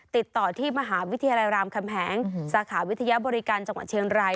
ติดต่อที่มหาวิทยาลัยรามคำแหงสาขาวิทยาบริการจังหวัดเชียงราย